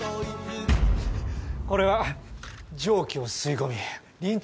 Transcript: これは蒸気を吸い込みりん